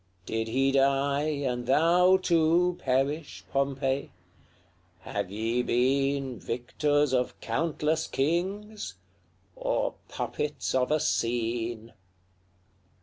did he die, And thou, too, perish, Pompey? have ye been Victors of countless kings, or puppets of a scene?